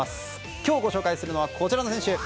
今日ご紹介するのはこちらの選手。